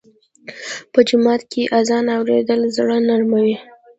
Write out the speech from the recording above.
په جومات کې اذان اورېدل زړه نرموي.